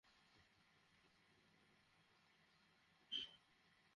পাশের কৃষ্ণনগর সরকারি প্রাথমিক বিদ্যালয়সহ আশপাশের আরও কয়েকটি শিক্ষাপ্রতিষ্ঠানেরও একই চিত্র।